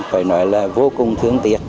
phải nói là vô cùng thương tiếc